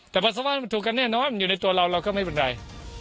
แต่ปัสสาวะมันถูกกันแน่นอนมันอยู่ในตัวเราเราก็ไม่เป็นไร